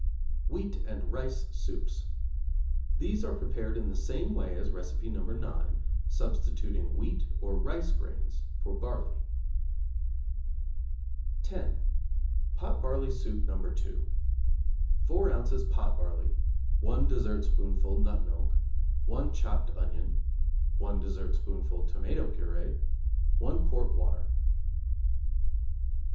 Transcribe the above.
=Wheat and Rice Soups= These are prepared in the same way as Recipe No. 9, substituting wheat or rice grains for barley. =10. Pot barley Soup No. 2= 4 ozs. pot barley, 1 dessertspoonful nut milk, 1 chopped onion, 1 dessertspoonful tomato purée, 1 quart water.